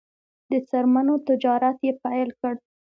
د څرمنو تجارت یې پیل کړ.